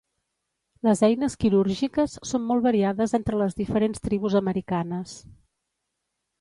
Les eines quirúrgiques són molt variades entre les diferents tribus americanes.